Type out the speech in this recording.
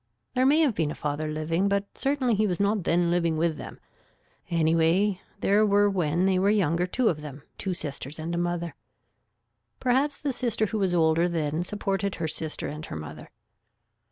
There may have been a father living but certainly he was not then living with them. Anyway there were when they were younger two of them, two sisters, and a mother. Perhaps the sister who was older then supported her sister and her mother.